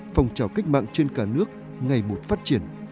phong trào cách mạng trên cả nước ngày một phát triển